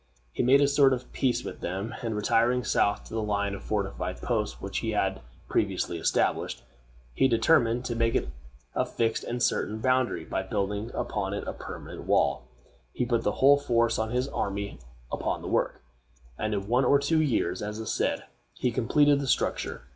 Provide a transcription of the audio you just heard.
He made a sort of peace with them, and retiring south to the line of fortified posts which had been previously established, he determined to make it a fixed and certain boundary by building upon it a permanent wall. He put the whole force of his army upon the work, and in one or two years, as is said, he completed the structure.